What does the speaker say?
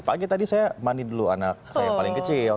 pagi tadi saya mandi dulu anak saya yang paling kecil